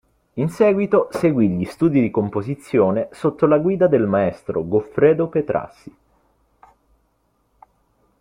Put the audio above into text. In seguito seguì gli studi di composizione sotto la guida del maestro Goffredo Petrassi.